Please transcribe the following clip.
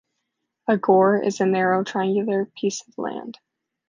A "gore" is a narrow, triangular piece of land.